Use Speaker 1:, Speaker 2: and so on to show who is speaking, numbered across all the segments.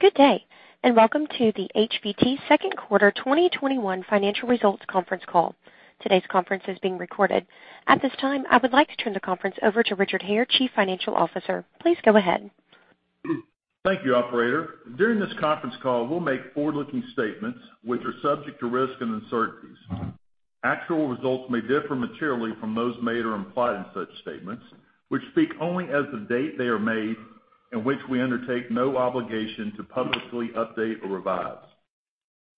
Speaker 1: Good day, and welcome to the HVT Second Quarter 2021 Financial Results Conference Call. Today's conference is being recorded. At this time, I would like to turn the conference over to Richard Hare, Chief Financial Officer. Please go ahead.
Speaker 2: Thank you, operator. During this conference call, we'll make forward-looking statements which are subject to risk and uncertainties. Actual results may differ materially from those made or implied in such statements, which speak only as of the date they are made, and which we undertake no obligation to publicly update or revise.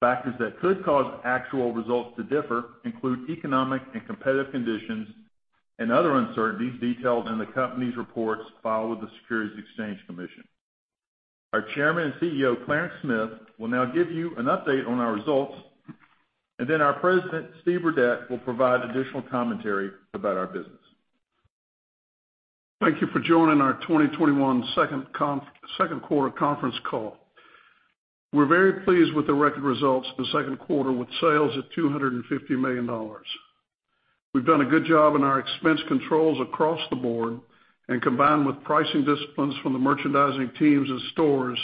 Speaker 2: Factors that could cause actual results to differ include economic and competitive conditions and other uncertainties detailed in the company's reports filed with the Securities and Exchange Commission. Our Chairman and Chief Executive Officer, Clarence Smith, will now give you an update on our results, and then our President, Steve Burdette, will provide additional commentary about our business.
Speaker 3: Thank you for joining our 2021 second quarter conference call. We're very pleased with the record results for the second quarter with sales at $250 million. We've done a good job in our expense controls across the board, and combined with pricing disciplines from the merchandising teams and stores,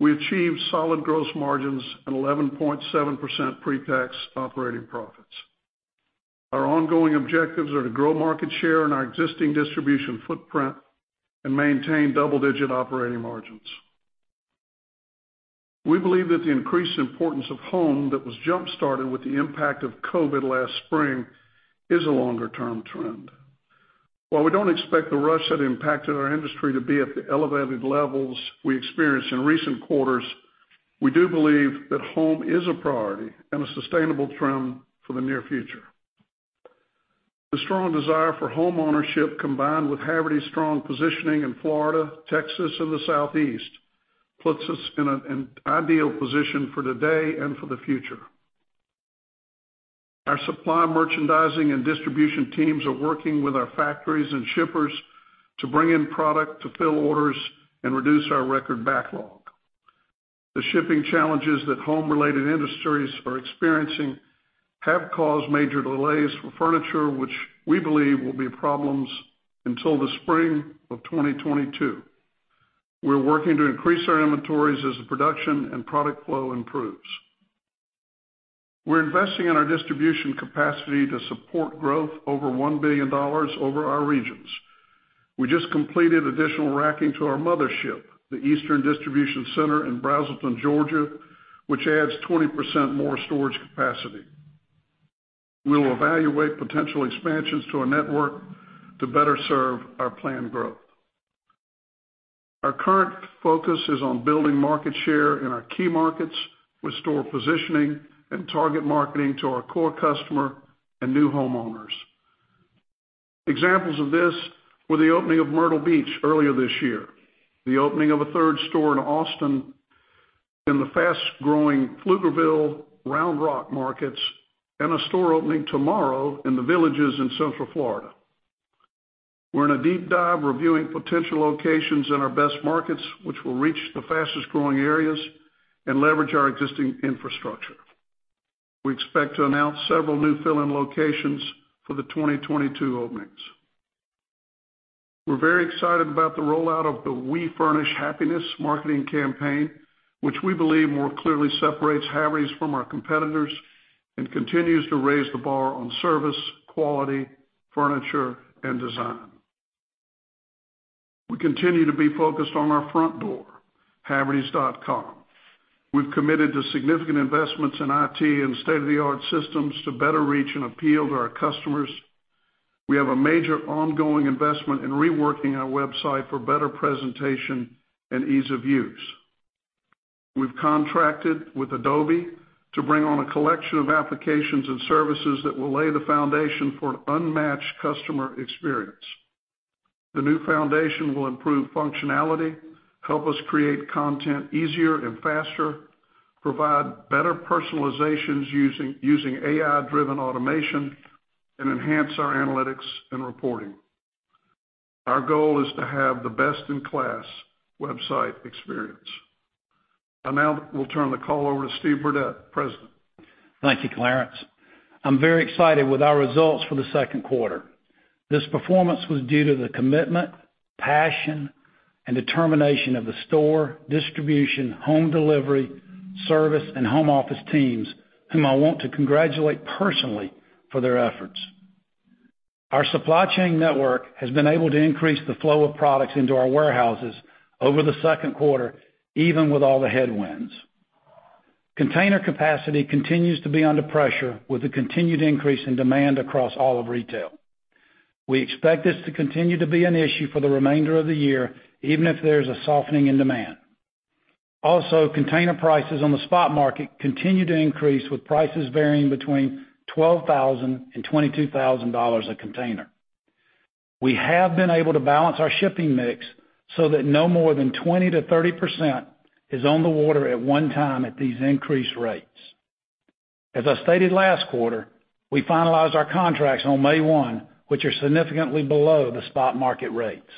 Speaker 3: we achieved solid gross margins and 11.7% pretax operating profits. Our ongoing objectives are to grow market share in our existing distribution footprint and maintain double-digit operating margins. We believe that the increased importance of home that was jump-started with the impact of COVID last spring is a longer-term trend. While we don't expect the rush that impacted our industry to be at the elevated levels we experienced in recent quarters, we do believe that home is a priority and a sustainable trend for the near future. The strong desire for home ownership, combined with Havertys' strong positioning in Florida, Texas, and the Southeast, puts us in an ideal position for today and for the future. Our supply merchandising and distribution teams are working with our factories and shippers to bring in product to fill orders and reduce our record backlog. The shipping challenges that home-related industries are experiencing have caused major delays for furniture, which we believe will be problems until the spring of 2022. We're working to increase our inventories as the production and product flow improves. We're investing in our distribution capacity to support growth over $1 billion over our regions. We just completed additional racking to our mothership, the Eastern Distribution Center in Braselton, Georgia, which adds 20% more storage capacity. We will evaluate potential expansions to our network to better serve our planned growth. Our current focus is on building market share in our key markets with store positioning and target marketing to our core customer and new homeowners. Examples of this were the opening of Myrtle Beach earlier this year, the opening of a third store in Austin, in the fast-growing Pflugerville, Round Rock markets, and a store opening tomorrow in The Villages in central Florida. We're in a deep dive reviewing potential locations in our best markets, which will reach the fastest-growing areas and leverage our existing infrastructure. We expect to announce several new fill-in locations for the 2022 openings. We're very excited about the rollout of the We Furnish Happiness marketing campaign, which we believe more clearly separates Havertys from our competitors and continues to raise the bar on service, quality, furniture, and design. We continue to be focused on our front door, havertys.com. We've committed to significant investments in IT and state-of-the-art systems to better reach and appeal to our customers. We have a major ongoing investment in reworking our website for better presentation and ease of use. We've contracted with Adobe to bring on a collection of applications and services that will lay the foundation for unmatched customer experience. The new foundation will improve functionality, help us create content easier and faster, provide better personalizations using AI-driven automation, and enhance our analytics and reporting. Our goal is to have the best-in-class website experience. I now will turn the call over to Steve Burdette, President.
Speaker 4: Thank you, Clarence. I'm very excited with our results for the second quarter. This performance was due to the commitment, passion, and determination of the store, distribution, home delivery, service, and home office teams, whom I want to congratulate personally for their efforts. Our supply chain network has been able to increase the flow of products into our warehouses over the second quarter, even with all the headwinds. Container capacity continues to be under pressure with a continued increase in demand across all of retail. We expect this to continue to be an issue for the remainder of the year, even if there's a softening in demand. Also, container prices on the spot market continue to increase, with prices varying between $12,000 and $22,000 a container. We have been able to balance our shipping mix so that no more than 20%-30% is on the water at one time at these increased rates. As I stated last quarter, we finalized our contracts on May 1, which are significantly below the spot market rates.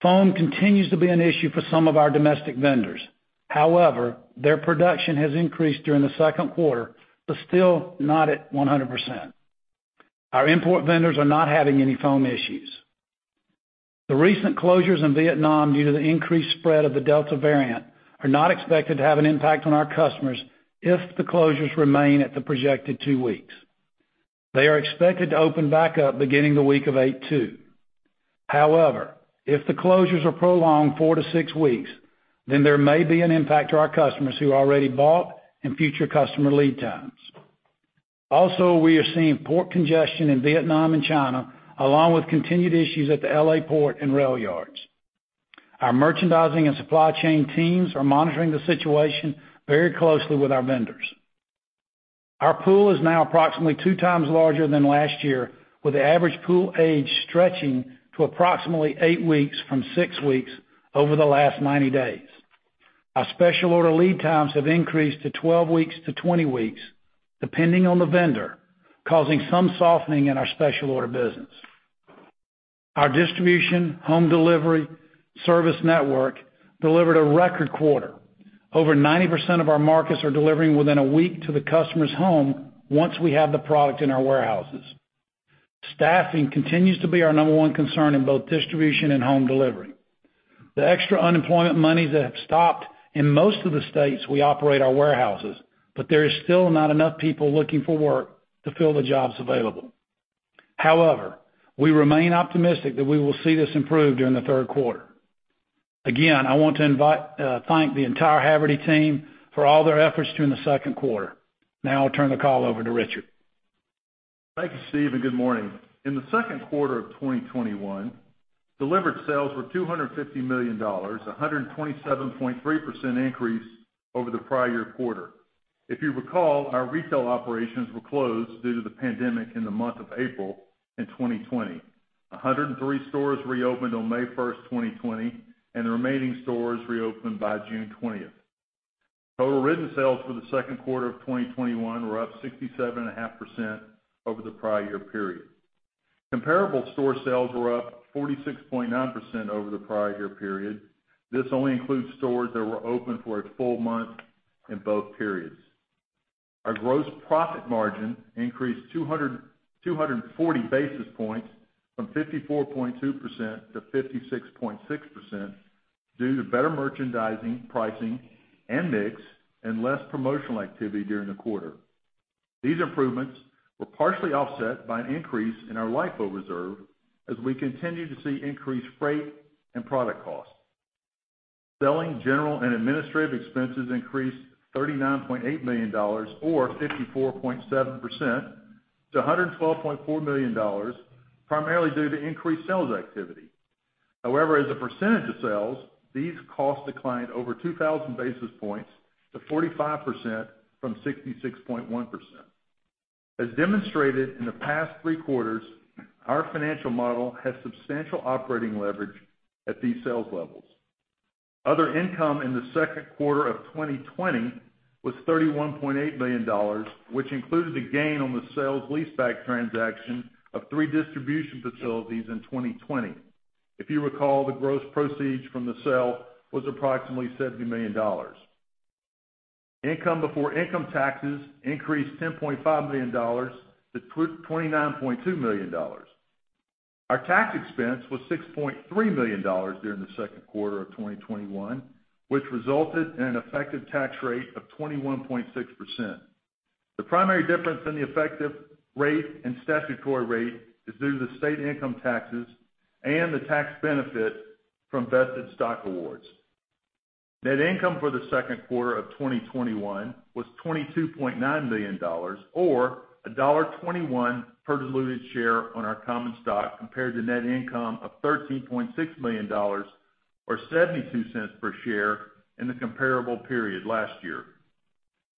Speaker 4: Foam continues to be an issue for some of our domestic vendors. However, their production has increased during the second quarter, but still not at 100%. Our import vendors are not having any foam issues. The recent closures in Vietnam due to the increased spread of the Delta variant are not expected to have an impact on our customers if the closures remain at the projected two weeks. They are expected to open back up beginning the week of 8/2. If the closures are prolonged four to six weeks, there may be an impact to our customers who already bought and future customer lead times. We are seeing port congestion in Vietnam and China, along with continued issues at the L.A. port and rail yards. Our merchandising and supply chain teams are monitoring the situation very closely with our vendors. Our pool is now approximately 2x larger than last year, with the average pool age stretching to approximately eight weeks from six weeks over the last 90 days. Our special order lead times have increased to 12 weeks-20 weeks, depending on the vendor, causing some softening in our special order business. Our distribution home delivery service network delivered a record quarter. Over 90% of our markets are delivering within a week to the customer's home once we have the product in our warehouses. Staffing continues to be our number one concern in both distribution and home delivery. The extra unemployment monies have stopped in most of the states we operate our warehouses, there is still not enough people looking for work to fill the jobs available. However, we remain optimistic that we will see this improve during the third quarter. Again, I want to thank the entire Haverty team for all their efforts during the second quarter. Now I'll turn the call over to Richard.
Speaker 2: Thank you, Steve. Good morning. In the second quarter of 2021, delivered sales were $250 million, 127.3% increase over the prior year quarter. If you recall, our retail operations were closed due to the pandemic in the month of April in 2020. 103 stores reopened on May 1st, 2020, and the remaining stores reopened by June 20th. Total written sales for the second quarter of 2021 were up 67.5% over the prior year period. Comparable store sales were up 46.9% over the prior year period. This only includes stores that were open for a full month in both periods. Our gross profit margin increased 240 basis points from 54.2% to 56.6% due to better merchandising, pricing, and mix, and less promotional activity during the quarter. These improvements were partially offset by an increase in our LIFO reserve as we continue to see increased freight and product costs. Selling, general, and administrative expenses increased $39.8 million, or 54.7%, to $112.4 million, primarily due to increased sales activity. As a percentage of sales, these costs declined over 2,000 basis points to 45% from 66.1%. As demonstrated in the past three quarters, our financial model has substantial operating leverage at these sales levels. Other income in the second quarter of 2020 was $31.8 million, which included a gain on the sales leaseback transaction of three distribution facilities in 2020. If you recall, the gross proceeds from the sale was approximately $70 million. Income before income taxes increased $10.5 million to $29.2 million. Our tax expense was $6.3 million during the second quarter of 2021, which resulted in an effective tax rate of 21.6%. The primary difference in the effective rate and statutory rate is due to the state income taxes and the tax benefit from vested stock awards. Net income for the second quarter of 2021 was $22.9 million, or $1.21 per diluted share on our common stock, compared to net income of $13.6 million, or $0.72 per share in the comparable period last year.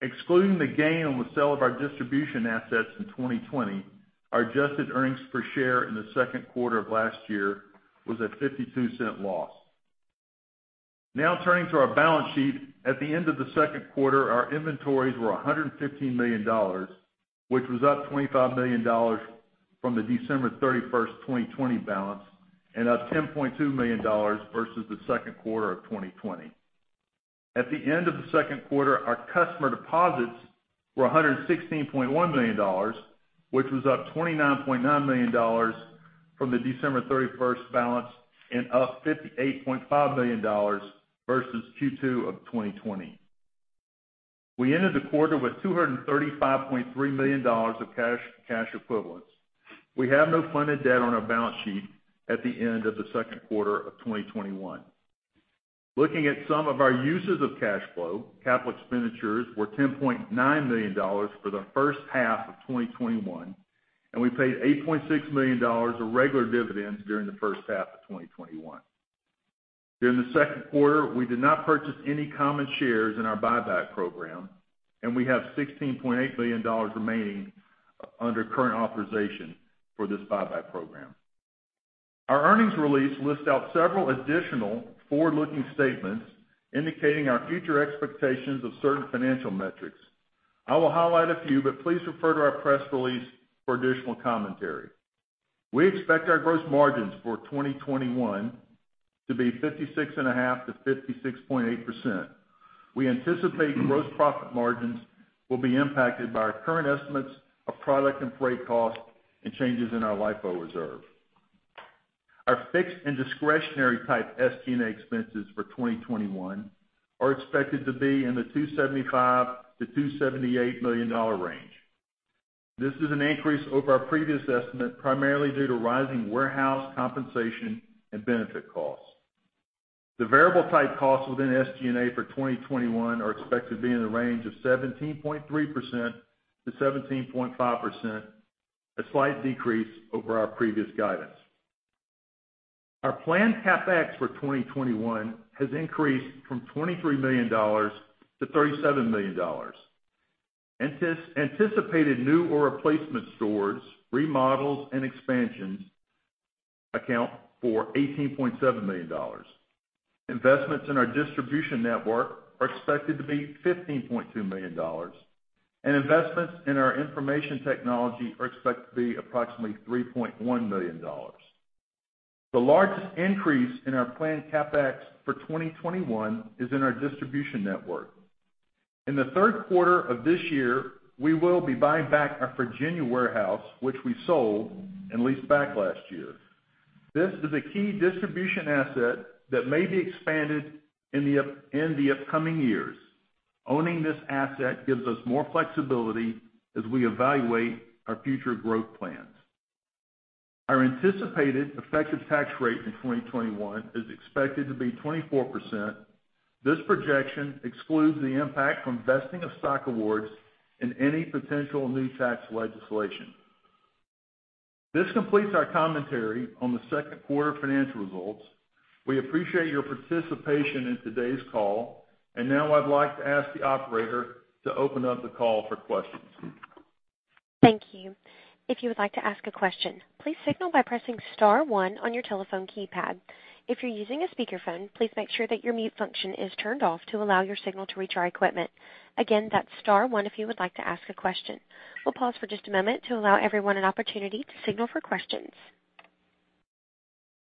Speaker 2: Excluding the gain on the sale of our distribution assets in 2020, our adjusted earnings per share in the second quarter of last year was a $0.52 loss. Now turning to our balance sheet. At the end of the second quarter, our inventories were $115 million, which was up $25 million from the December 31st, 2020 balance, and up $10.2 million versus the second quarter of 2020. At the end of the second quarter, our customer deposits were $116.1 million, which was up $29.9 million from the December 31st balance and up $58.5 million versus Q2 of 2020. We ended the quarter with $235.3 million of cash equivalents. We have no funded debt on our balance sheet at the end of the second quarter of 2021. Looking at some of our uses of cash flow, capital expenditures were $10.9 million for the first half of 2021, and we paid $8.6 million of regular dividends during the first half of 2021. During the second quarter, we did not purchase any common shares in our buyback program, and we have $16.8 billion remaining under current authorization for this buyback program. Our earnings release lists out several additional forward-looking statements indicating our future expectations of certain financial metrics. I will highlight a few, but please refer to our press release for additional commentary. We expect our gross margins for 2021 to be 56.5%-56.8%. We anticipate gross profit margins will be impacted by our current estimates of product and freight costs and changes in our LIFO reserve. Our fixed and discretionary type SG&A expenses for 2021 are expected to be in the $275 million-$278 million range. This is an increase over our previous estimate primarily due to rising warehouse compensation and benefit costs. The variable type costs within SG&A for 2021 are expected to be in the range of 17.3%-17.5%, a slight decrease over our previous guidance. Our planned CapEx for 2021 has increased from $23 million-$37 million. Anticipated new or replacement stores, remodels, and expansions account for $18.7 million. Investments in our distribution network are expected to be $15.2 million, and investments in our information technology are expected to be approximately $3.1 million. The largest increase in our planned CapEx for 2021 is in our distribution network. In the third quarter of this year, we will be buying back our Virginia warehouse, which we sold and leased back last year. This is a key distribution asset that may be expanded in the upcoming years. Owning this asset gives us more flexibility as we evaluate our future growth plans. Our anticipated effective tax rate in 2021 is expected to be 24%. This projection excludes the impact from vesting of stock awards and any potential new tax legislation. This completes our commentary on the second quarter financial results. We appreciate your participation in today's call, and now I'd like to ask the operator to open up the call for questions.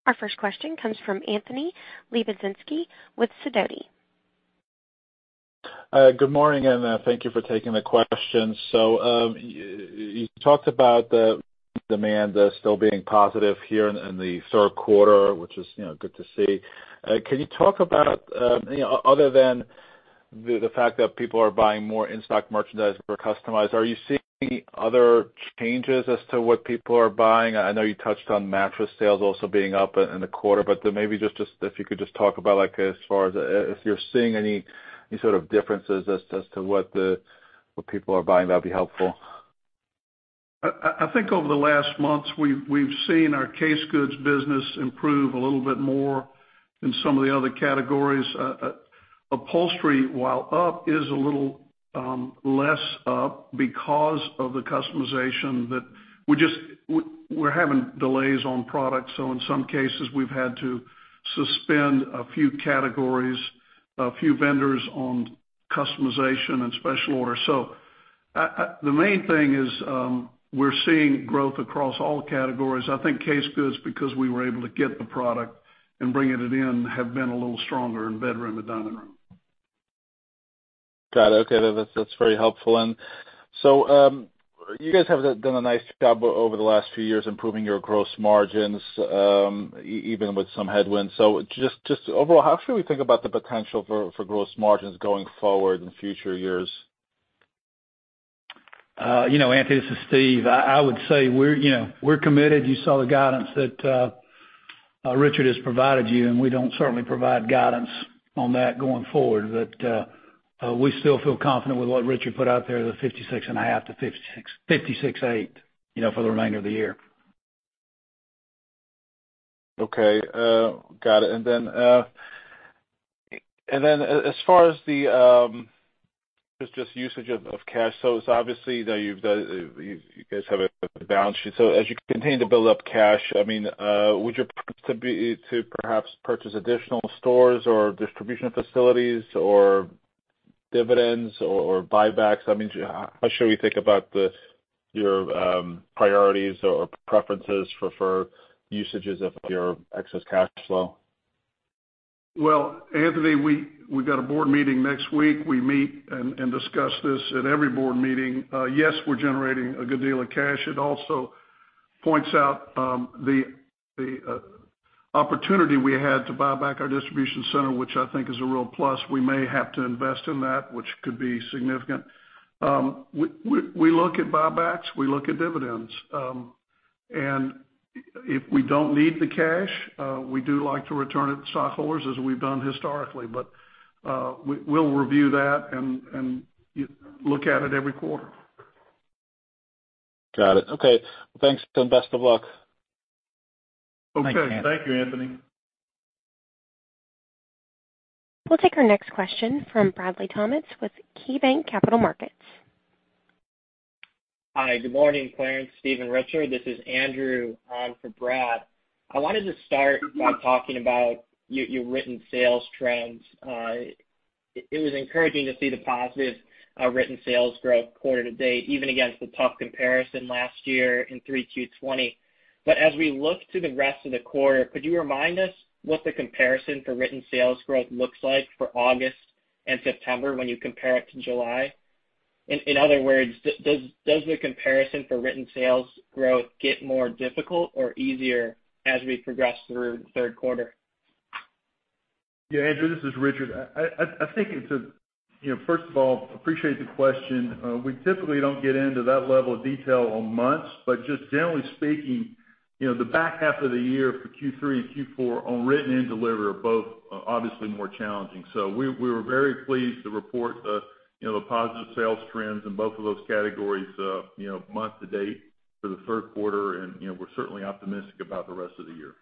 Speaker 1: Our first question comes from Anthony Lebiedzinski with Sidoti.
Speaker 5: Good morning, and thank you for taking the question. You talked about the demand still being positive here in the third quarter, which is good to see. Can you talk about, other than the fact that people are buying more in-stock merchandise or customized, are you seeing other changes as to what people are buying? I know you touched on mattress sales also being up in the quarter, but maybe if you could just talk about as far as if you're seeing any sort of differences as to what people are buying, that'd be helpful.
Speaker 3: I think over the last months, we've seen our case goods business improve a little bit more than some of the other categories. Upholstery, while up, is a little less up because of the customization that we're having delays on products. In some cases, we've had to suspend a few categories, a few vendors on customization and special orders. The main thing is we're seeing growth across all categories. I think case goods because we were able to get the product and bringing it in have been a little stronger in bedroom and dining room.
Speaker 5: Got it. Okay. That's very helpful. You guys have done a nice job over the last few years improving your gross margins even with some headwinds. Just overall, how should we think about the potential for gross margins going forward in future years?
Speaker 4: Anthony, this is Steve. I would say we're committed. You saw the guidance that Richard has provided you. We don't certainly provide guidance on that going forward. We still feel confident with what Richard put out there, the 56.5%-56.8% for the remainder of the year.
Speaker 5: Okay. Got it. As far as just usage of cash, it's obviously you guys have a balance sheet. As you continue to build up cash, would your preference to be to perhaps purchase additional stores or distribution facilities or dividends or buybacks? How should we think about your priorities or preferences for usages of your excess cash flow?
Speaker 3: Well, Anthony, we've got a Board meeting next week. We meet and discuss this at every board meeting. Yes, we're generating a good deal of cash. It also points out the opportunity we had to buy back our distribution center, which I think is a real plus. We may have to invest in that, which could be significant. We look at buybacks, we look at dividends. If we don't need the cash, we do like to return it to stockholders as we've done historically. We'll review that and look at it every quarter.
Speaker 5: Got it. Okay. Thanks, and best of luck.
Speaker 3: Okay. Thank you, Anthony.
Speaker 1: We'll take our next question from Bradley Thomas with KeyBanc Capital Markets.
Speaker 6: Hi, good morning, Clarence, Steve, and Richard. This is Andrew on for Brad. I wanted to start by talking about your written sales trends. It was encouraging to see the positive written sales growth quarter to date, even against the tough comparison last year in 3Q 2020. As we look to the rest of the quarter, could you remind us what the comparison for written sales growth looks like for August and September when you compare it to July? In other words, does the comparison for written sales growth get more difficult or easier as we progress through the third quarter?
Speaker 2: Yeah, Andrew, this is Richard. First of all, appreciate the question. We typically don't get into that level of detail on months, but just generally speaking, the back half of the year for Q3 and Q4 on written and deliver are both obviously more challenging. We were very pleased to report the positive sales trends in both of those categories month to date for the third quarter, and we're certainly optimistic about the rest of the year.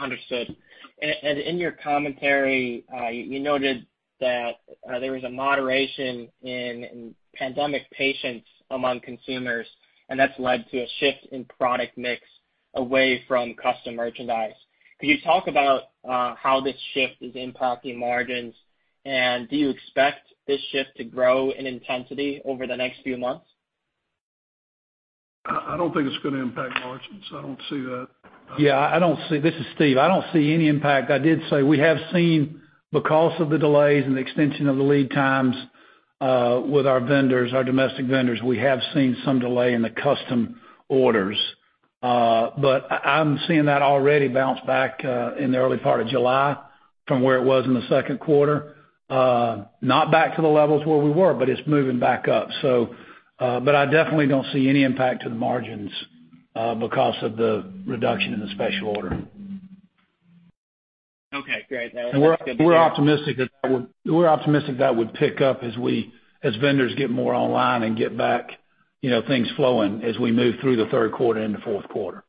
Speaker 6: Understood. In your commentary, you noted that there was a moderation in pandemic patience among consumers, and that's led to a shift in product mix away from custom merchandise. Could you talk about how this shift is impacting margins, and do you expect this shift to grow in intensity over the next few months?
Speaker 3: I don't think it's going to impact margins. I don't see that.
Speaker 4: Yeah, this is Steve. I don't see any impact. I did say we have seen, because of the delays and the extension of the lead times with our domestic vendors, we have seen some delay in the custom orders. I'm seeing that already bounce back in the early part of July from where it was in the second quarter. Not back to the levels where we were, it's moving back up. I definitely don't see any impact to the margins because of the reduction in the special order.
Speaker 6: Okay, great. That was good to hear.
Speaker 4: We're optimistic that would pick up as vendors get more online and get back things flowing as we move through the third quarter into fourth quarter.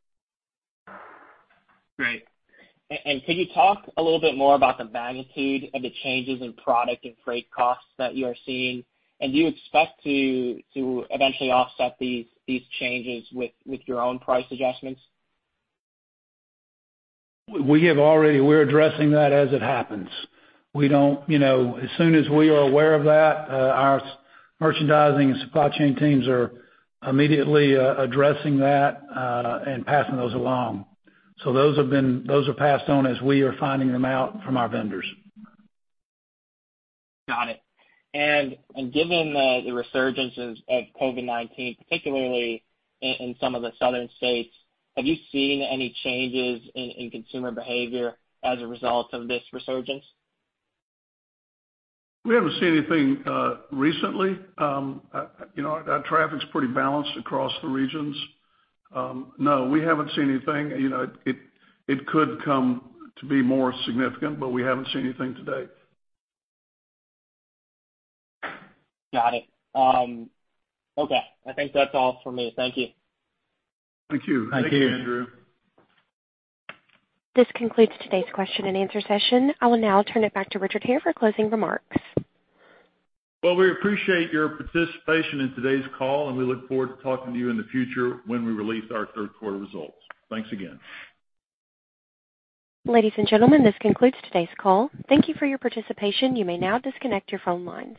Speaker 6: Great. Can you talk a little bit more about the magnitude of the changes in product and freight costs that you are seeing? Do you expect to eventually offset these changes with your own price adjustments?
Speaker 4: We're addressing that as it happens. As soon as we are aware of that, our merchandising and supply chain teams are immediately addressing that and passing those along. Those are passed on as we are finding them out from our vendors.
Speaker 6: Got it. Given the resurgence of COVID-19, particularly in some of the southern states, have you seen any changes in consumer behavior as a result of this resurgence?
Speaker 3: We haven't seen anything recently. Our traffic's pretty balanced across the regions. No, we haven't seen anything. It could come to be more significant, but we haven't seen anything to date.
Speaker 6: Got it. Okay, I think that's all for me. Thank you.
Speaker 3: Thank you. Thank you.
Speaker 4: Thanks, Andrew.
Speaker 1: This concludes today's question and answer session. I will now turn it back to Richard Hare for closing remarks.
Speaker 2: Well, we appreciate your participation in today's call, and we look forward to talking to you in the future when we release our third quarter results. Thanks again.
Speaker 1: Ladies and gentlemen, this concludes today's call. Thank you for your participation. You may now disconnect your phone lines.